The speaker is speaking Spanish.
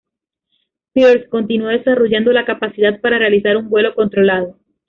Pearse continuó desarrollando la capacidad para realizar un vuelo controlado.